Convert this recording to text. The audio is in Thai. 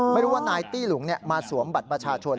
ไม่รู้ว่านายตี้หลุงมาสวมบัตรประชาชน